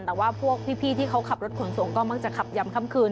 แต่ว่าพวกพี่ที่เขาขับรถขนส่งก็มักจะขับยำค่ำคืน